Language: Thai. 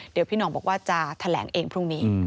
เดี๋ยวพี่หน่องบอกว่าจะแถลงเองพรุ่งนี้